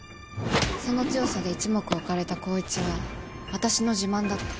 その強さで一目置かれた光一は私の自慢だった。